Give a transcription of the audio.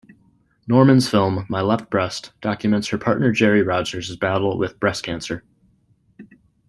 Norman's film "My Left Breast", documents her partner Gerry Rogers' battle with breast cancer.